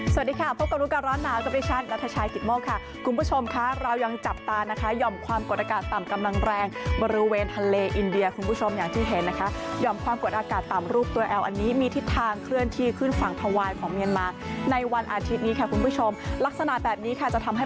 สวัสดีค่ะพบกับรู้ก่อนร้อนหนาวกับดิฉันนัทชายกิตโมกค่ะคุณผู้ชมค่ะเรายังจับตานะคะหย่อมความกดอากาศต่ำกำลังแรงบริเวณทะเลอินเดียคุณผู้ชมอย่างที่เห็นนะคะหย่อมความกดอากาศต่ำรูปตัวแอลอันนี้มีทิศทางเคลื่อนที่ขึ้นฝั่งทวายของเมียนมาในวันอาทิตย์นี้ค่ะคุณผู้ชมลักษณะแบบนี้ค่ะจะทำให้